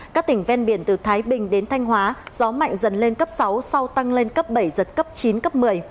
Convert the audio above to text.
các tỉnh ven biển từ thái bình đến thanh hóa gió mạnh dần lên cấp sáu sau tăng lên cấp bảy giật cấp chín cấp một mươi